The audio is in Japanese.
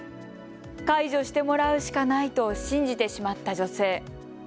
解除してもらうしかないと信じてしまった女性。